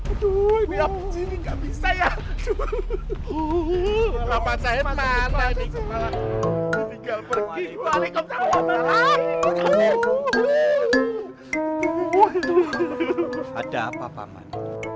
ada apa paman